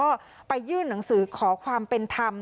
ก็ไปยื่นหนังสือขอความเป็นธรรม